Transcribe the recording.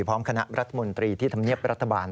พร้อมคณะรัฐมนตรีที่ทำเงียบรัฐบาล